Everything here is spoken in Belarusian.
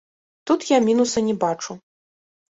Тут я мінуса не бачу.